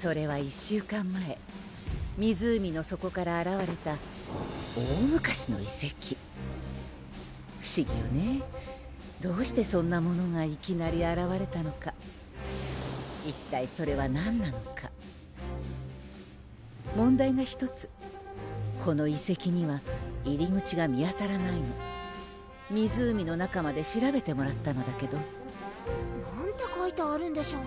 それは１週間前湖の底からあらわれた大昔の遺跡不思議よねどうしてそんなものがいきなりあらわれたのか一体それは何なのか問題が１つこの遺跡には入り口が見当たらないの湖の中まで調べてもらったのだけど何て書いてあるんでしょう？